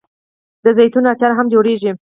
د زیتون اچار هم جوړیږي.